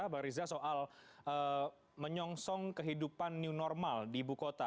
bang riza soal menyongsong kehidupan new normal di ibu kota